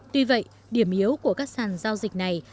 tuy vậy điểm yếu của các sàn giao dịch du lịch trực tuyến